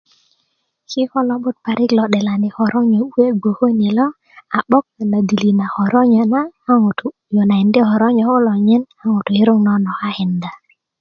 kiko lo'but lo 'delani körönyö parik kuwe bgwoke ni lo a 'boga na dili na körönyö a ŋutu yunakindi körönyö nyin ŋutu kirut nonokakinda